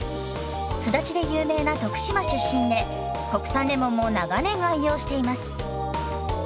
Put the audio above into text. すだちで有名な徳島出身で国産レモンも長年愛用しています。